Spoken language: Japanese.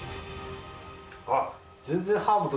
あっ。